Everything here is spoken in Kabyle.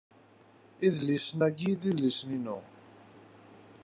Idlisen-a d idlisen-inu.